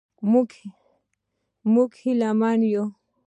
موږ هیله من یو.